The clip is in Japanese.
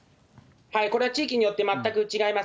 これは地域によって全く違います。